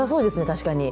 確かに。